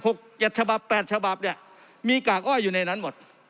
เจ็ดฉบับแปดฉบับเนี้ยมีกากอ้อยอยู่ในนั้นหมด